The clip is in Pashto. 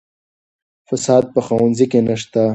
فساد په ښوونځي کې نشته.